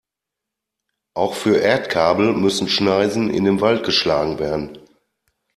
Auch für Erdkabel müssen Schneisen in den Wald geschlagen werden.